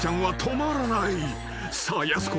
［さあやす子。